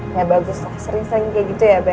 ya bagus lah seri sering kayak gitu ya bel